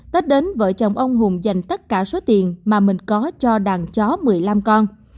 tết đến vợ chồng ông hùng dành tất cả số tiền mà mình có cho đàn chó một mươi năm con